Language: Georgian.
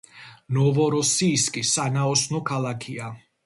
ნოვოროსიისკი სანაოსნო ქალაქია.